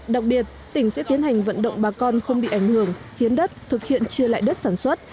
đặc biệt tỉnh sẽ tiến hành vận động bà con không bị ảnh hưởng hiến đất thực hiện chia lại đất sản xuất